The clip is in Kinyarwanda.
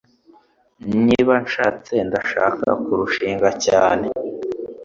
Niba nshatse, ndashaka kurushinga cyane.”